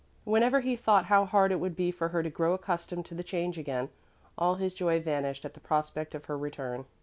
Whenever he thought how hard it would be for her to grow accustomed to the change again, all his joy vanished at the prospect of her return.